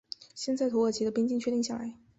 现代土耳其的边境确定下来。